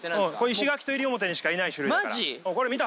石垣と西表にしかいない種類だから。